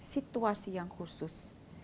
situasi yang khusus